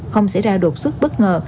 không xảy ra đột xuất bất ngờ